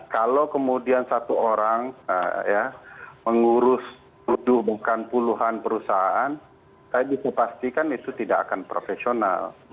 kalau kemudian satu orang ya mengurus bukan puluhan perusahaan saya bisa pastikan itu tidak akan profesional